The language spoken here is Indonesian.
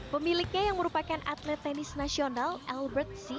pemiliknya yang merupakan atlet tenis nasional albert sea